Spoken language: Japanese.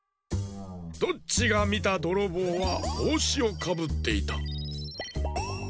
ドッチがみたどろぼうはぼうしをかぶっていた。